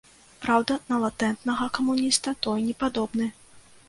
Праўда, на латэнтнага камуніста той не падобны.